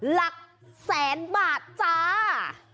หลักแสนบาทจ้า